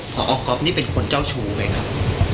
พอก๊อฟนี่เป็นคนเจ้าชู้ไหมครับ